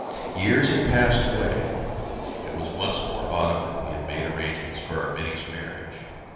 Years had passed away. It was once more autumn and we had made arrangements for our Mini's marriage.